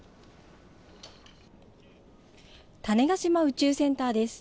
種子島宇宙センターです。